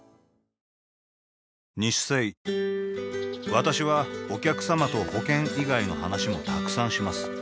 私はお客様と保険以外の話もたくさんします